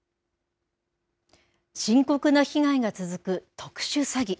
深刻な被害が続く特殊詐欺。